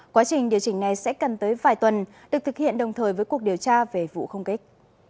quá trình điều chỉnh này sẽ cần tới vài tuần được thực hiện đồng thời với cuộc điều tra về vụ không kích